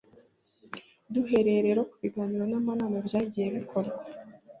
duhereye rero ku biganiro n'amanama byagiye bikorwa,